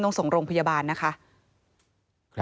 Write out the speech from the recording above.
ต้องส่งโรงพยาบาลนะครับ